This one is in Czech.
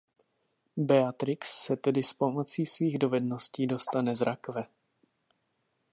Beatrix se tedy s pomocí svých dovedností dostane z rakve.